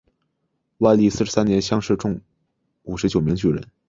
万历四十三年乡试中五十九名举人。